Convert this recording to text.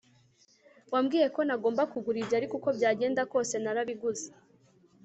Wambwiye ko ntagomba kugura ibyo ariko uko byagenda kose narabiguze